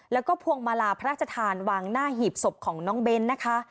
แล้วก็พวงมาลาพระราชทานวางหน้าหีบศพของน้องเบ้นนะคะ